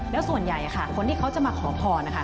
แล้วส่วนใหญ่ค่ะคนที่เขาจะมาขอพรนะคะ